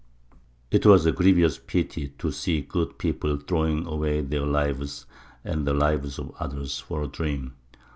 It was a grievous pity to see good people throwing away their lives, and the lives of others, for a dream.